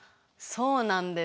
そうなんです。